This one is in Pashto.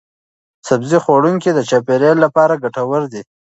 سبزي خوړونکي د چاپیریال لپاره ګټور دي.